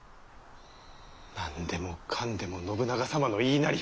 何でもかんでも信長様の言いなり。